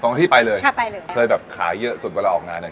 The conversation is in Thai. สองที่ไปเลยค่ะไปเลยเคยแบบขายเยอะสุดเวลาออกงานอ่ะ